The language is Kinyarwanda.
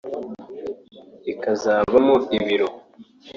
ikazabamo ibiro